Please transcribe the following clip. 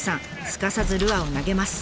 すかさずルアーを投げます。